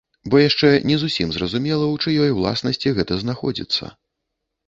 Бо яшчэ не зусім зразумела, у чыёй уласнасці гэта знаходзіцца.